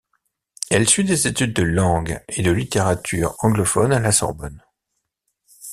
Elle suit des études de langues et de littérature anglophone à la Sorbonne.